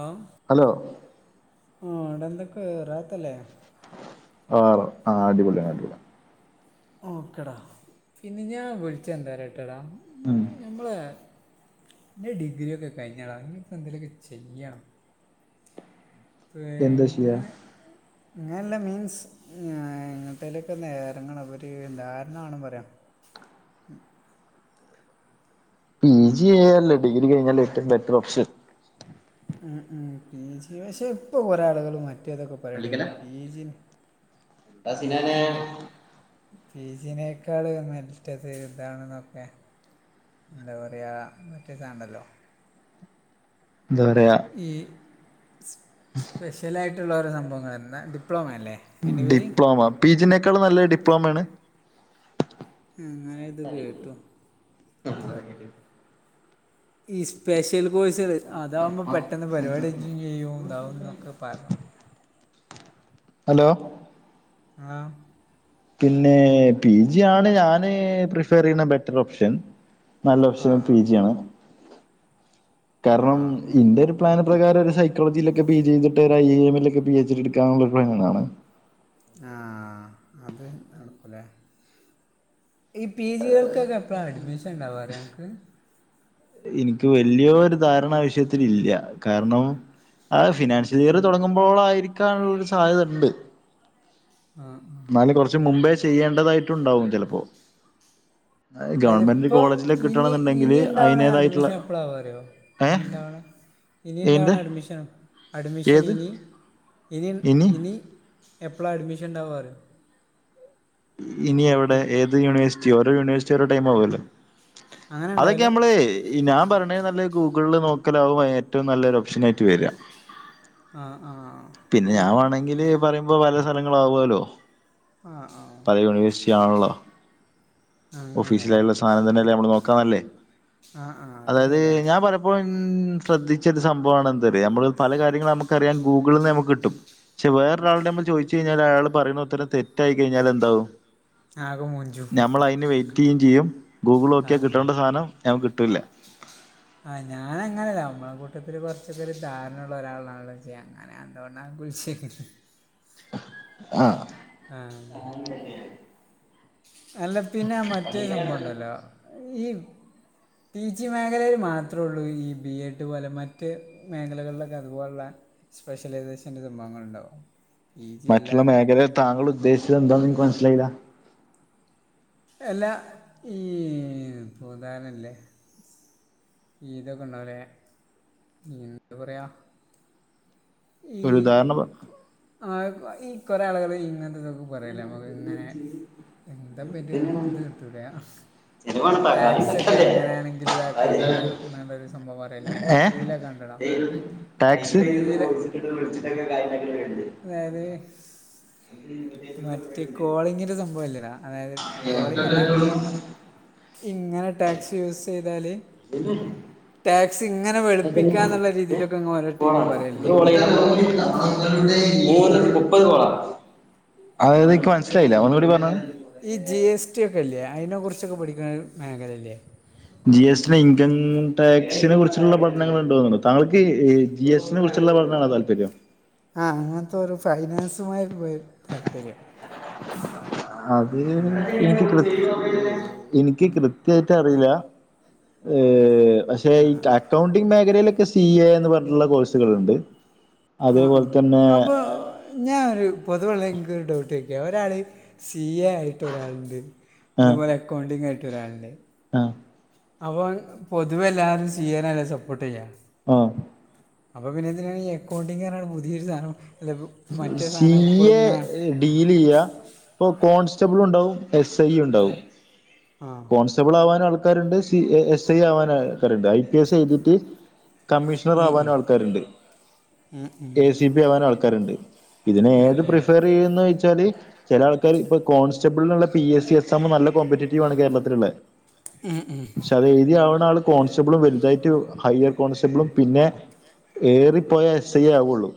ആ ഹലോ ആ ഇവിടെന്തൊക്കെ റാഹത്തല്ലേ ആണോ അടിപൊളിയാണ് അടിപൊളി. ഓക്കേടാ പിന്നെ ഞാൻ വിളിച്ചടണ്ടേ ട്ടടാ ഉം ഞമ്മള എന്റെ ഡിഗ്രി ഒക്കെ കഴിഞ്ഞടാ. ഇപ്പോ എന്തങ്കലുമൊക്കെ ചെയ്യണം. എന്താ ചെയ്യാ പിന്നെ ഇങ്ങനെയല്ല മീൻസ്. ഇങ്ങട്ടലേക്കന്ന് ഇറങ്ങണം. ഒര് ധാരണ വേണം പറയാം. പി ജി ചെയ്യാലോ ഡിഗ്രി കഴിഞ്ഞാൽ ഏറ്റവും ബെറ്റർ ഓപ്ഷൻ. ഉ ഉ പി പക്ഷേ ഇപ്പൊ കൊറെേ ആളുകളും മറ്റേതൊക്കെ പറയണ്ട പള്ളിക്കല പീജിന് എന്താ സിനാനെ പീജിനെ ചീജിനേക്കാള് മറ്റേ സൈഡാനൊക്കെ എന്താ പറയുക മറ്റേ സാധനം ഏണ്ടല്ലോ എന്താ പറയ ഈ സ്പെഷ്യലായിട്ടുള്ള ഒരു സംഭവങ്ങൾ [unintelligible] ഡിപ്ലോമ അല്ലേ? അതിൻ്റെ പേര് ഡിപ്ലോമ പി ജിനേക്കാളും നല്ല ഡിപ്ലോമയണ് മ്മ് ഇന്നലെ ഇത് കേട്ടു. [unintelligible] ഈ സ്പെഷ്യൽ കോഴ്സേൾ അതാവുമ്പോ പെട്ടെന്ന് പരിപാടിക്കകയ്യും ചെയ്യും ഇതാവുന്നൊക്കെ പറഞ്ഞു. ഹെലോ. ആഹ്. പിന്നെ പി ജി ആണ് ഞാന് പ്രിഫർ ചെയ്യുന്ന ബെറ്റർ ഓപ്ഷൻ. ആ നല്ലോപ്ഷൻ പി ആ ജി ആണ് ആ കാരണം ആ ഇന്റെ ഒരു. പ്ലാന് പ്രകാര ഒരു സൈക്കോളജിയിലൊക്കെ പി ജി ചെയ്തിട്ട് ഒരു ഐ എ എം ലൊക്കെ പി എച്ച് ടി എടുക്കാന്നുള്ളൊരു പ്ലാനാണ്. ആഹ് അതെ നടക്കുല്ലേ. ഈ പി ജികൾക്കൊക്കെ എപ്പോഴാ അഡ്മിഷൻ ഇണ്ടാവാറിയൻക്ക്. ഇൻക്ക് വല്യോരു ധാരണ ആ വിശയത്തിലില്യാ കാരണം ആഹ് ഫിനാൻഷ്യൽഇയർ തൊടങ്ങുമ്പോളായിരിക്കാനുള്ളരു സാധ്യത ഇണ്ട്. ന്നാൽ കൊറച്ച് മുമ്പേ ചെയ്യേണ്ടതായിട്ടുണ്ടാവും ചെലപ്പോ. ഗവൺമെന്റ് കോളേജിലൊക്ക കിട്ടണെന്നിണ്ടെങ്കില്. ണ്ടാവണെ അഡ്മിഷൻ എപ്പളാവാറിയൊ ഇനിണ്ടാവണെ ഇനി ഏന്റെ ഇണ്ടാവണെ അഡ്മിഷൻ. ഏത് അഡ്മിഷനിനി ഇനി ഇനി എപ്പള അഡ്മിഷൻ ഇണ്ടാവറിയൊ. ഇനി എവിടെ ഏത് യൂണിവേഴ്സിറ്റി ഓരോ യൂണിവേഴ്സിറ്റിഓരോ ടൈമാവല്ലോ. അങ്ങനെ ഉണ്ടാവല് അതൊക്കെഞമ്മളെ. ഈ ഞാൻ പറയണെനുംനല്ലേ ഗൂഗ്ൾൽ നോക്കലാവും എ ഏറ്റും നലൊരു ഓപ്ഷനായിട്ട് വരാ. ആ ആ പിന്നെ ഞാൻ അത് വേണങ്കില് പറയുമ്പോ പല സ്ഥലങ്ങളാവാല്ലോ. ആഹ് ആഹ്. പല യൂണിവേഴ്സിറ്റിയാണല്ലോ. അങ്ങനെ അല്ലേ ഓഫീശലായിള്ള സാനംതന്നെല്ലേ അമ്മൾ നോക്കാനല്ലേ ആ ആ അത് അതായത് ശരിയാണ് ഞാൻ പറ പ്പൊൻ ശ്രദ്ധിച്ചരു സംഭവാണ് എന്തറിയൊ നമ്മള് പല കാര്യങ്ങൾ നമുക്കറിയാൻ ഗൂഗിൾന്ന് നമുക്ക് കിട്ടും. ക്ഷേ വേറെരാളോട് അമ്മൾ ചോയിച്ചഴിഞ്ഞാൽ ആയാൾ പറയുന്ന ഉത്തരം തെറ്റായി കയിഞ്ഞാൽ എന്ത്. ണ്ടാവും ആകെ മൂഞ്ചു ഞമ്മൾ അയിന് വെയ്റ്റെയും ചെയ്യും ആ ആ ഗൂഗിളോക്ക്യാകിട്ടേണ്ട സാനം ത ഞ്ഞം കിട്ടൂലെ. ആഹ് ഞാനങ്ങനെയല്ല അമ്മളെ കൂട്ടത്തിൽ കൊറച്ചക്കൊരു ധാരണള്ള ഒരാളാണല്ലോ ഇജ്ജ്‌. ഞാൻ എന്തോണ്ടാ [unintelligible] ആഹ്. ആഹ്. അല്ല പിന്നെ മറ്റേ സംഭവണ്ടല്ലോ ഈ. പിജി മേഖലയിൽ മാത്രൊള്ളൂ ഈ ബി എഡ് പോലെ മറ്റ്. മേഖലകളിലൊക്കെ അതുപോലുള്ള സ്പെഷ്യലൈസേഷന്റെ സംഭവങ്ങൾണ്ടാവും. മറ്റുള്ള മേഖല താങ്കൾ ഉദ്ദേശിച്ചതെന്താന്ന് ഇക്ക് മനസ്സിലായില്ല. എല്ലാ ഈ [unintelligible] ഈതൊക്കെ ഉണ്ടാവലെ യെന്താ പറയാ. ഈ ഒരു ഉദാഹരണം പറ ആ ഈ കൊറേ ആളുകൾ ഇങ്ങനത്തെ. ന്നും പറയാല നമുക്ക് ഇങ്ങനെ എന്താ ഇത് കിട്ടൂലെ. ടാക്സ് ഒക്കെ എങ്ങനെയാണെങ്കിൽ ചെലവാണ് ഇതാക്കാന്നൊക്കെന്നൊരു സംഭവം പറയല്ലേ ഏഹ് റീലൊക്കെ കണ്ട്‌ണോ. ടാക്സ്. അതായത്. മറ്റേ കോളിങ്ങിന്റെ സംഭവലേ ടാ അതായത് കോളിങ്ങല്ല. ഇങ്ങനെ ടാക്സ് യൂസ് ചെയ്താല്. ടാക്സ് ഇങ്ങനെ വെളുപ്പിക്കാന്നുള്ള രീതിയിലൊക്കെങ്ങ് ഓരോ ടീമുപറയല്ലേ. അതായത് ഇനിക്ക് മനസ്സിലായില്ല ഒന്നൂടി പറഞ്ഞ. ഈ ജി എസ് ടി ഒക്കെല്യേ അയിനെ കുറിച്ചൊക്കെ പഠിക്കുന്ന മേഖലയില്ലേ. ജി എസ് ടി ഇൻകം ടാക്സിനെ കുറിച്ചുള്ള പഠനങ്ങൾ ഇണ്ടൂന്ന്തൊന്ന്ണു താങ്കൾക്ക് ജി സ്റ്റിനെ കു ചുള്ള പഠനണോ താല്പര്യം. ആ അങ്ങനത്തെരു ഫൈനാൻസുമായിത് പോയി താല്പര്യം അത്... ഇനിക്ക് കൃ ഇൻക് കൃത്യായിട്ട് അറിയില്ല ഏ പക്ഷെ ഈ അക്കൗണ്ടിങ് മേഖലയിലൊക്കെ സി എ എന്ന് പറഞ്ഞിട്ടുള്ള കോഴ്സുകളുണ്ട്. അതേപോലെ തന്നെ ഞാനൊരു പൊതുവെ ഒള്ള ഇക്കൊരു ഡൗട്ട് ചോയിക്ക ഒരാള് സി എ ആയിട്ട് ഒരാളുണ്ട് ആഹ് അതേപോലെക്കൗണ്ടിംഗ് ആയിട്ടൊരാളുണ്ട് ആഹ് അപ്പോൾ പൊതുവെ എല്ലാവരും സി എ നല്ലേ സപ്പോർട്ട് ചെയ്യാ? ആഹ് അപ്പൊ പിന്നെ എന്തിനാണീ അക്കൗണ്ടിങ് എന്ന് പറഞ്ഞു പുതിയൊരു സാധനം? അല്ല മറ്റേ സി സാധനം ഇപ്പോഴും എ ഇങ്ങനെ ഡീല് ചെയ്യ ഇപ്പോ കോൺസ്റ്റബിൾ ഉണ്ടാവും എ സ് ഐ യും ഉണ്ടാവും ആ കോൺസ്റ്റബിൾ ആവാനും ആൾക്കാരുണ്ട് സി എസ് ഐ ആവാന ക്കാര്ണ്ട് ഐ പി എസ് എഴുതീട്ട് കമ്മീഷണർ ഉം ഉം. ആവാനും ആൾക്കാരുണ്ട് ഉം ഉം. എ സി പി ആവാനും ആൾക്കാരുണ്ട് ഇതിനെ ആ ഏത് ആ പ്രിഫർ ചെയ്യുന്നുച്ചാല് ചില ആൾക്കാര് ഇപ്പ കോൺസ്റ്റബിളിനുള്ള പി എസ് സി എക്സാമ് നല്ല കോമ്പറ്റീറ്റീവ് ആണ് കേരള നിർമ്മൽ ഉം ഉം പക്ഷെ അത് എഴുതി ആവണാള് കോൺസ്റ്റബിളും വലുതായിട്ട് ഹയ്യർ കോൺസ്റ്റബിളും പിന്നെ ഏറിപ്പോയ എസ് ഐയെ ആവുള്ളൂ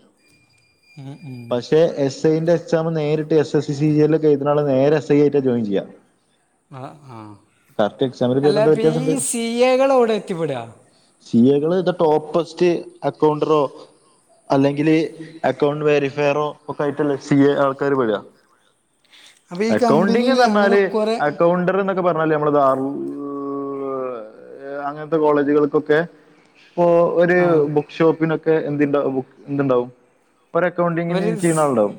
ഉം ഉം. പക്ഷെ എസ് എസ്ഐന്റെ എക്സാമ് നേരിട്ട് എസ് എസ് സി സിഇയറില് എഴുതുന്നാള് നേരെ എസ് ഐയായിട്ടാ ജോയിൻ ചെയ്യാ. ആഹ് ആഹ് കറക്റ്റ് എക്സാമില് അല്ല പേരെന്തോ ദീ വ്യത്യാസണ്ട് സി എകള് എവിടാ എത്തിപ്പെട സി ഐകള് ദ ടോപ്പസ്റ്റ് അക്കൗണ്ടറോ അല്ലെങ്കില് അക്കൗണ്ട് വേരിഫൈറോ ഒക്കെ ആയിട്ടുള്ള സി എ ആൾക്കാര് വെര അപ്പ ഈ കമ്പനീല് അങ്ങനെ കൊറെ ന്ത് പറഞ്ഞാല് നമ്മളത് ആ [unintelligible] പ്പ അങ്ങൻത്തെ കോളേജുകൾക്കൊക്കെ ഇപ്പൊ ഒരു ആ ബുക്ക് ഷോപ്പിനൊക്കെ എന്തിണ്ട ബു എന്തുണ്ടാകും? ഒരക്കൗണ്ടിങ്ങിനി ഒരു സ്- ചെയ്യ്ണാളുണ്ടാവും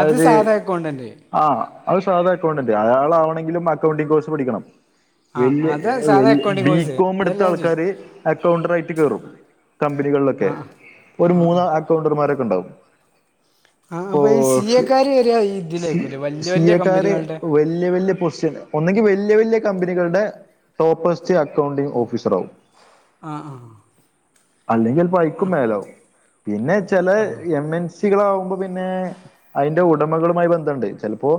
അത് ആയത് സാധാ അക്കൗണ്ടന്റ് ആഹ് അത് സാധാ അക്കൗണ്ടന്റ് അയാളാവണെങ്കിലും അക്കൗണ്ടിംഗ് കോഴ്സ് പഠിക്കണം. ആ ഇല്ല്യ അത് എ സാധാ വല് അക്കൗണ്ടിങ് ബി കോഴ്സ് കോം അതല്ല ഞാൻ ചോദിച്ചു എടുത്താൾക്കാര് അക്കൗണ്ടറായിട്ട് കേറും. ആ കമ്പനികളിലൊക്കെ. ആ. ഒരു ആ ആ മൂന്ന്‌ അക്കൗണ്ടർമാരൊക്കെ ഇണ്ടാവും. ആ അപ്പൊ ഈ സി ഫോസ്. എക്കാര് വരെ ഈ ഇതിലേക്കൂല്ലേ വലിയ സീ വലിയ എ ക്കാര് കമ്പനികളുടെ വല്ല്യ വല്ല്യ പൊസിഷ്യന് ഒന്നെങ്കിൽ വെല്ല്യ വെല്ല്യ കമ്പനികളുടെ ടോപ്പസ്റ്റ് അക്കൌണ്ടിംഗ് ഓഫീസറാകും. ആഹ് ആഹ് അല്ലെങ്കി ചെലപ്പം അയ്ക്കും മേലാവും. പിന്നെച്ചാല് എമ്മെൻസ്‌ സികളാകുമ്പോ പിന്നെ അതിന്റെ ഉടമകളുമായി ബന്ധണ്ട്. ചെലപ്പോ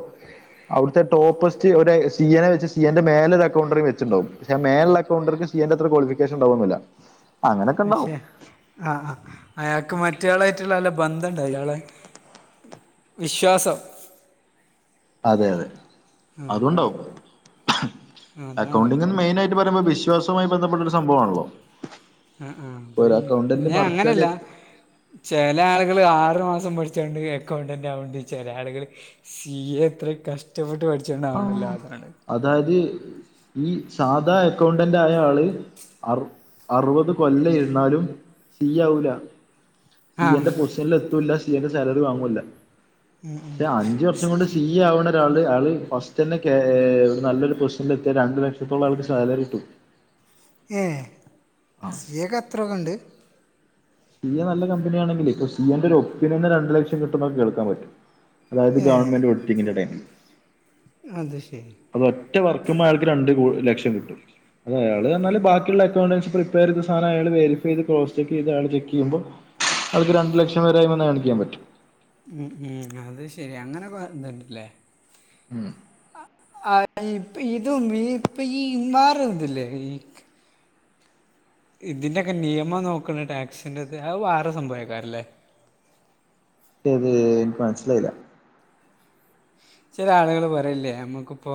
അവിടുത്തെ ടോപ്പസ്റ്റ് ഒരു സി എ നെ വെച്ച് സി എ ന്റെ മേലൊരു അക്കൗണ്ടറേം വെച്ചിണ്ടാവും. പക്ഷെ മേലെള്ള അക്കൗണ്ടർക്ക് സി എ ന്റത്ര ക്വാളിഫിക്കേഷൻ ഉണ്ടാവൊന്നില്ല. പക്ഷെ, ആഹ് ആഹ്. അയാക്ക് മറ്റേയാളുവായിട്ടുള്ള നല്ല ബന്ധണ്ടാവു ഇയാളെ വിശ്വാസം അതെയതെ. ആ, അതാണ് അതൂണ്ടാവും. ആ, അതാണ് അക്കൗണ്ടിങ്ങ്ന്ന് സംഭവം മെയിൻ ആയി ന് പറയുമ്പോ വിശ്വാസവുമായി ബന്ധപ്പെട്ട ഒരു സംഭവാണല്ലോ? ആഹ് ആഹ് ഇപ്പ ഈ, പിന്നെ അങ്ങനെയല്ല മറിച്ചാൽ ചെല ആള്കള് ആറ് മാസം പഠിച്ചോണ്ട് എക്കൗണ്ടന്റാവണ്ട് ചെല ആള്കള്. സി എ എത്ര കഷ്ടപ്പെട്ട് പഠിച്ചോണ്ടാവണല്ലോ ആഹ് അല്ലാതാണ്. അതായത് ഈ സാധാ അക്കൗണ്ടന്റ് റ്റായ ആള് അറു അറുപത് കൊല്ല ഇരുന്നാലും സീ ആവൂല. സി ആ എ ന്റെ പൊസിഷനിൽ എത്തൂല്ല സി എ ന്റെ സാലറി വാങ്ങ്വേല്ല. പക്ഷെ അഞ്ച് വർഷം കൊണ്ട് സി ഈ അവിടെ ഒരാള് ഉണ്ട് അയാൾ ഫസ്റ്റ് തന്നെ കേറിയാൽ പൊസിഷനിൽ എത്തിയാൽ രണ്ടു ലക്ഷത്തോളം അവർക്ക് സാലറി കിട്ടും ഏഹെ ആഹ് സി എ ക്ക് ത്രൊക്കെ ഉണ്ട് സി എ നല്ല കമ്പനിയണെങ്കിൽ ഇപ്പൊ സി. ഓ എന്റെ ഒപ്പീനിയന് രണ്ട് ലക്ഷം കിട്ടും എന്ന് നമ്മുക്ക് കേൾക്കാൻ പറ്റും അതായത് ഏ ഗവൺമെന്റ് ഒഡിറ്റിങ്ങിന്റെ ഇടയിൽ അത് ശരി അത് ഒറ്റ വർക്കിന്മൽ അയാൾക്ക് രണ്ട് ലക്ഷ്യം കിട്ടും അത അയാള് എന്നാൽ ബാക്കിയുള്ള അക്കൗണ്ടൻസ് പ്രിപ്പയ ചെയ്ത് സാധനം അയാൾ വരിഫൈ ചെയ്ത് ക്റ്റ് സ് ചെ ചെയ്ത് അയാ ചെക്ക് അവർക്ക്‌ രണ്ട് ലക്ഷം വരെ വന്ന് കാണിക്കാൻ പറ്റോ ഉം ഉം അത് ശരി അങ്ങനെക്ക എതുണ്ടല്ലേ ഉം ആ ഹ് ഇപ്പോ ഇതും ഇപ്പോ ഈ ഇൻവാർ കണ്ടില്ലേ ഇതിന്റോക്കെ നിയമം നോക്കണ ടാക്സിന്റെ അത് വേറെ സംഭവക്കാാരല്ലേ ഏത് എനിക്ക് മനസ്സിലായില്ല ചില ആളുകൾ പറല്ലേ നമ്മക്കിപ്പോ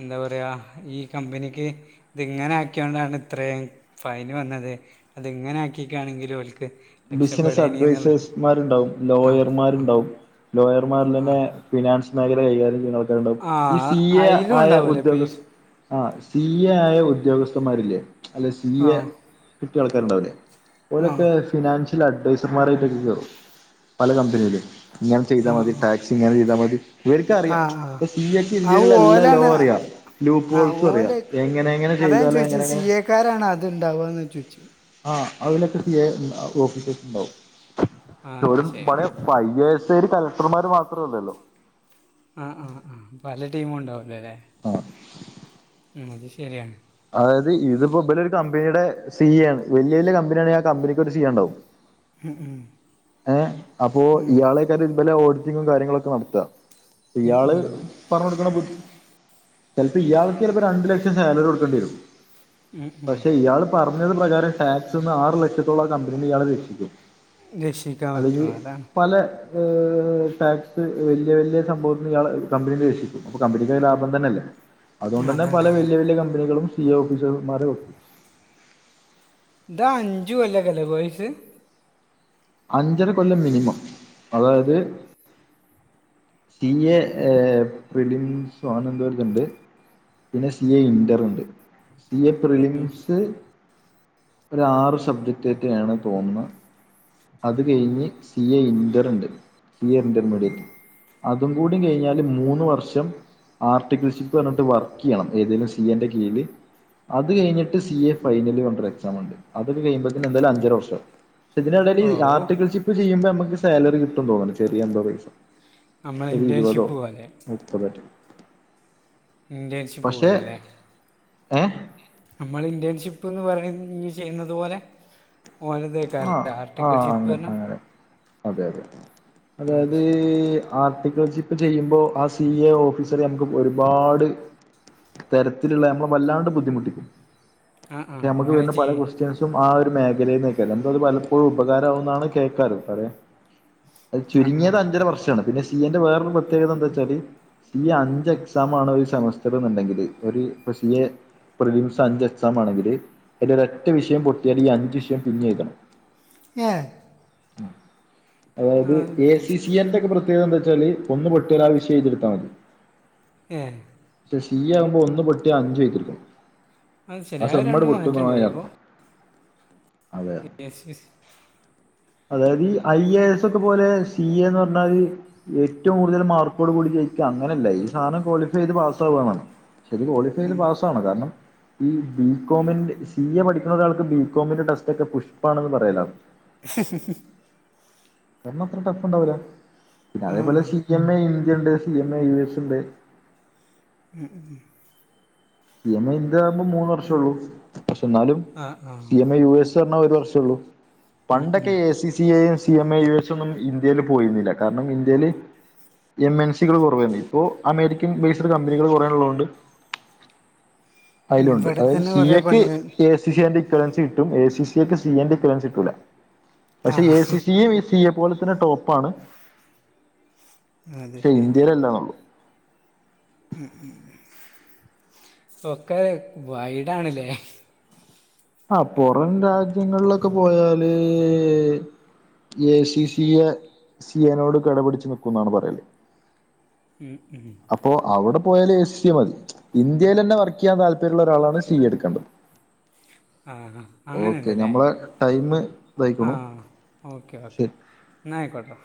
എന്താ പറയ ഈ കമ്പനിക്ക് ഇത് ഇങ്ങനെ ആക്കിയൊണ്ടാണ് ഇത്രയും ഫയൽ വന്നത് അത് ഇങ്ങനെ ആക്കിക്കാണെങ്കിലും ഓൽ ക്ക് ബിസിനസ്സ് അഡ്വൈസേഴ്സ്മാരുണ്ടാവും ആ ആ ലോയർമാരുണ്ടാവും ലോയർമാരിൽ ആ തന്നെ ഫിനാൻസ് മേഖല കൈകാര്യം ചെയ്യുന്ന ആൾക്കാർ ഉണ്ടകും ആ ഈ സി എ അയിലും ആയ ഉണ്ടാവൂലേ ഇപ്പ ഈ ഉദ്യോഗസ്ഥൻ ആ സി എ ആയ ഉദ്യോഗസ്ഥന്മാരില്ലേ അല്ലെ സി ആ എ കിട്ടിയ ആൾക്കാരുണ്ടാവില്ലേ ആ ഓലൊക്കെ ആ ഫിനാൻഷ്യൽ അഡ്വൈസർമാർായിട്ടൊക്കെ കേറും പല കമ്പനിയിലും ഇങ്ങനെ ചെയ്താ മതി ടാക്സി ഇങ്ങനെ ചെയ്താൽ മതി ഇവർക്ക ആ ആ അറിയാം ആ ഇപ്പോ സി എ ക്ക്‌ ആ ഇന്ത്യ യിൽ ഉള്ള എല്ലാം ലോ ഓലാണ് അറിയാം ആ ഗൂക്കോൾസും ഓല അറിയാം എങ്ങന എങ്ങനെ അതാ ഞാൻ ചെയ്താല ചോദിച്ചത് സി എക്കാര ആാണ് അത്ണ്ടാവുകന്ന് ചോദിച്ചി നോക്കി ആഹ അലൊക്കെ സി ഐ ഓഫീസഴസ് ഉണ്ടാവും ആ അത് ഉരു ശരി മണി ഇപ്പോ ഐ എ എസ്ര് കലക്ടർമാർ മാത്രമല്ലല്ലോ ആഹ് ആഹ് ആഹ് പല ടീമും ഉണ്ടാവല്ലേ അല്ലെ ആഹ ആ അത് ശരി അതായത് ഇതിപ്പോൊ വലിയൊരു കമ്പനിയുടെ സി എ ആണ് വലിയ വലിയ കമ്പനിയണെിൽ ആ കമ്പനിക്ക് അത് ചെയ്യാൻ ഉണ്ടാവും ഹെ അപ്പോ ഇയാൾ ഇതുപലെ ഓഡിറ്റിങ്ങും കാര്യങ്ങളൊക്കെ നടത്ത ഉം ഇയാള് ഉം പറഞ്ഞു കൊടുക്കുന്ന ബുദ്ധി ചിലപ്പോ ഇയാൾക്ക് ചിലപ്പോ രണ്ടു ലക്ഷം സാലറി കൊടുക്കേണ്ടി വരും ഉം ഉം പക്ഷെ ഇയാൾ പറഞ്ഞത് പ്രകാരം ടാക്സ്ന്ന് ആറ് ലക്ഷത്തോളം കമ്പനീ ഇയാളെ രക്ഷിക്കും രക്ഷിക്കാൻ അത് പറ്റും അതാണ് പല ടാക്സ് വലിയ വലിയ സംഭവത്തിൽ ഇയാൾ കമ്പനി ഏല്പിക്കും അപ്പൊ കമ്പനിക്ക് അത് ലാഭം തന്നെയല്ലേ അതുകൊണ്ട് തന്നെ പല അതാണ് അതാണ് വലയ വലിയ കമ്പനികളും സി എ ഓഫീസർമാരെക്കും ഇതാ അഞ്ചു കൊല്ലക്കല്ലേ കൊയ്‌സ് അഞ്ചര കൊല്ലം മിനിമം അതായത് സി എ പ്രിറിടിമിംസോ അങ്ങനെ എന്തോ ഒരു ഇതുണ്ട് പിന്നെ സി എ ഇന്റർുണ്ട് സി എ പ്രിലിംസ് ഒരു ആറ് സബ്ജക്ടക്കെയാണ് തോന്നുന്നത് അത് കഴിഞ്ഞ് സി എ ഇന്റർണ്ട് സി ഇന്റർമീഡിയറ്റ് അതും കൂടി കഴിഞ്ഞാല് മൂന്ന് വർഷം ആർട്ടിക്ൽഷിപ്പ് പറഞ്ഞിട്ട് വർക്ക് ചെയ്യണം ഏതേലും സി എന്റെ കീഴിൽ അത് കഴിഞ്ഞിട്ട് C A final enter exam ഉണ്ട് അതൊക്കൊ കഴിയുമ്പോയേക്കുംഎന്തായാലും അഞ്ചര വർഷം ആകും പക്ഷെ ഇതിനിടയിൽഈ ഓ ആർട്ടികൾസി ഇപ്പോ ചെയ്യുമ്പോൾ നമുക്ക് സാലറി കിട്ടും തോന്നുന്നു ചെറിയാന്തോ പൈസ നമ്മൾ ഒരിരുപതോ ഇന്റേൺഷിപ്പ് പോലെ മുപ്പതോറ്റേ ഇന്റേണൽഷിപ്പ് പോലല്ലേ ഏഹ് നമ്മൾ ഇന്റേൺഷിപ്പ് എന്ന് പറയും ചെയ്യുന്നത് പോലെ ആഹ് ഓലതേക്കാലും ആർട്ടിക്കൽ ആഹ് ഷിപ്പ് അങ്ങനെ അങ്ങനെ അതെ അതെ അത് അതായത് ശരി ആർട്ടിക്കിൾ ചിപ്പ് ചെയ്യുമ്പോ ആ സി എ ഓഫീസറ് നമുക്ക് ഒരുപാട് തെരക്കിലുള്ള നമ്മള് വല്ലാണ്ട് ബുദ്ധിമുട്ടിക്കും ആ ആ നമ്മുക്ക് ഇങ്ങനെ വരുന്ന പല ചെയ്യ് ക്വസ്റ്റ്യൻസ് ആഹ് ഒരു മേഖലേന് വെക്കാലോ നമുക്കത് പലപ്പോഴും ഉപകാരമാവും എന്നാണ് കേൾക്കാറ് പറയാ അത് ആ ആ ചുരുങ്ങിയത് അഞ്ചര വർഷമാണ് പിന്നെ സി എന്റെ വേറൊരു പ്രത്യേകത എന്താ വെച്ചാല് ഈ അഞ്ച് എക്സാം ആണ് ഒരു സെമസ്റ്റർ എന്നുണ്ടെങ്കില് ഒരു ഇപ്പ സി എ പ്രതിമാസം അഞ്ച് എക്സാം ആണെങ്കില് അതിന്റെ ഒരറ്റ വിഷയം പൊട്ടിയാല് ഈ അഞ്ചു വിഷയം പിന്നി എഴുതണം ഏഹ് അതായത് എ സി ബി സി എന്റെ പ്രത്യേകത എന്താന് വെച്ചാല് ഒന്ന് പൊട്ട്യ ആ വിഷയം എഴുതിയെടുത്താ മതി ഏഹ് പക്ഷെ സി എ ആകുമ്പോ ഒന്ന് പൊട്ടിയ അഞ്ചും എഴുതി എടുക്കണം അത് ശരി ആ അത് സെമ്മ ട് രണ്ടും മാറ്റമുണ്ടല്ലേ അപ്പോൾ പൊട്ടുന്നർത്ഥം [unintelligible] അതായത് ഈ ഐ എ എസ് ഒക്കെ പോലെ സി എ എന്ന് പറഞ്ഞാല് ഏറ്റവും കൂടുതൽ മാർക്കോട് കൂടി ജയിക്കാം അങ്ങനെയല്ല ഈ സാനം ക്വാളിഫൈ ചെയ്ത് പാസ്സാവാണ് ഇത് ക്വാളിഫൈ ചെയ്ത് പാസാവണം കാരണം ഈ ബികോമിന്റെ സി എ പഠിക്കുന്ന ഒരാൾക്ക് ബികോമിന്റെ ടെസ്റ്റ് ഒക്കെ പുഷ്പാണെന്ന് പറയലാണ് ഉ ഒന്ന ത്ര ടഫ് ഉണ്ടാവില്ല പിന്നെ അതേ പോലെ C C M A India ണ്ട് C M A U S ഉണ്ട് ഉം ഉം സി എം എ ഇന്ത്യ ആകുമ്പോൾ മൂന്ന് വർഷം ഉള്ളൂ പക്ഷെ എന്നാലും ആ ആ C M I U S ഒരു വർഷംള്ളൂ ഉം, ഉം. പണ്ടൊക്കെ എ സി സി യും C M A U S ഒന്നും ഇന്ത്യയിൽ പോയിരുന്നില്ല കാരണം ഇന്ത്യയില് എം എൽ സികൾ കുറവാണ് ഇപ്പോൾ അമേരിക്കൻ ബേയ്‌സിഡ് കമ്പനികൾ കുറയുള്ളതുകൊണ്ട് ഉം, അതിലുണ്ട് ഇവിടെ അതായത് തന്നെ സി കുറേ എക്ക് പണികൾ എ സി സിന്റെ ഇക്വലൻസി കട്ടും എ സി സിക്ക് സി എന്റെ ഇക്വലൻസ് കിട്ടൂല ആ പക്ഷെ A C C A C A പോലെ തന്നെ ടോപ്പാണ് അത് പക്ഷെ ശരി ഇന്ത്യയിലല്ലാനൊള്ളു ഉം ഇപ്പൊക്കെ വൈടാണ്ല്ലേ ആഹ് പുറം രാജ്യങ്ങളിലൊക്കെ പോയാല് A C C A C A നോട് കടപിടിച്ച് നിക്കും എന്നാണ് പറയല് ഉമ് ഉമ് അപ്പോൾ അവിടെ പോയാൽ എ സി എ മതി ഇന്ത്യയിൽ തന്നെ വർക്ക് ചെയ്യാൻ താല്പര്യമുള്ള ഒരാളാണ് സി എ എടുക്കേണ്ടത് ആഹ് ആഹ് അങ്ങനെ ഓക്കെ ഉണ്ടല്ലേ നമ്മളെ ടൈം ഇതായിക്കണു ആഹ് ഓക്കെ ഓക്കെ ശരി എന്നയിക്കോട്ടേ